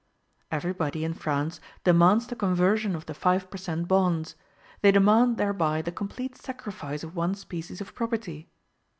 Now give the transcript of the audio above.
Everybody, in France, demands the conversion of the five per cent. bonds; they demand thereby the complete sacrifice of one species of property.